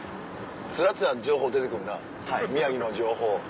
つらつら情報出てくるな宮城の情報。